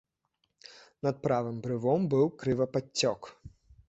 Над правым брывом быў крывападцёк.